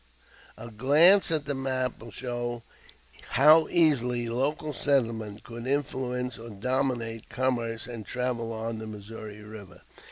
A glance at the map will show how easily local sentiment could influence or dominate commerce and travel on the Missouri River.